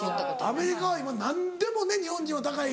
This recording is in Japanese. アメリカは今何でもね日本人は高い。